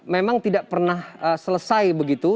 memang tidak pernah selesai begitu